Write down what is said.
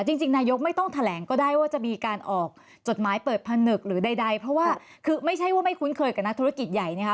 จริงนายกไม่ต้องแถลงก็ได้ว่าจะมีการออกจดหมายเปิดผนึกหรือใดเพราะว่าคือไม่ใช่ว่าไม่คุ้นเคยกับนักธุรกิจใหญ่นะคะ